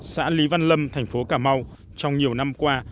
xã lý văn lâm thành phố cà mau trong nhiều năm qua